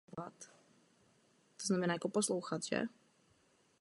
Hodnota Barkie je stanovena před kolem.